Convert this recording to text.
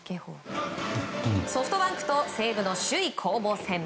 ソフトバンクと西武の首位攻防戦。